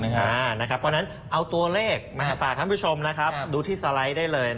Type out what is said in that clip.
เพราะฉะนั้นเอาตัวเลขมาฝากท่านผู้ชมดูที่สไลด์ได้เลย